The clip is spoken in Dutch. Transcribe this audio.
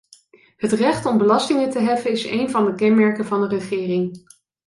Het recht om belastingen te heffen is een van de kenmerken van een regering.